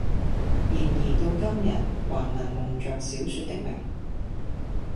然而到今日還能蒙着小說的名，